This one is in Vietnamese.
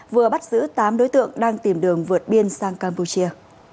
vừa bắt giữ tám đối tượng đang tìm đường vượt biên sang campuchia